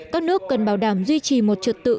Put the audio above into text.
các nước cần bảo đảm duy trì một trật tự